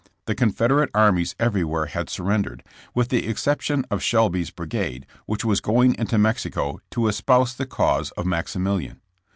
The Confederate armies everywhere had surrendered, with the exception of Shelby's brigade, which was going into Mexico to espouse the cause of Maxi milian.